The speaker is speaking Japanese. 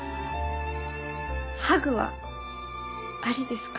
ハグはありですか？